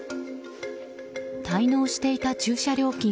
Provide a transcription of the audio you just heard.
滞納していた駐車料金